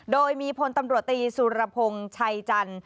โดยมีพลตำรวจตีสุรพงศ์ชัยจันทร์